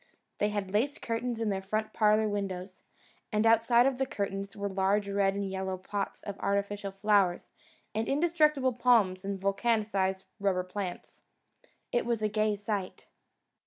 They had lace curtains in their front parlour windows, and outside of the curtains were large red and yellow pots of artificial flowers and indestructible palms and vulcanised rubber plants. It was a gay sight.